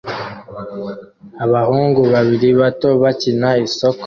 Abahungu babiri bato bakina isoko